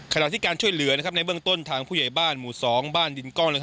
ขณะที่การช่วยเหลือในเบื้องต้นทางผู้ใหญ่บ้านหมู่๒บ้านดินกล้อง